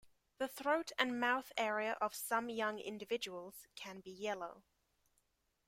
The throat and mouth area of some young individuals can be yellow.